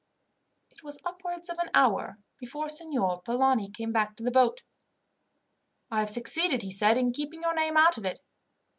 It was upwards of an hour before Signor Polani came back to the boat. "I have succeeded," he said, "in keeping your name out of it.